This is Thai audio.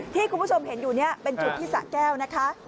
ที่คุณผู้ชมเห็นอยู่นี้เป็นจุดที่สะแก้วนะคะ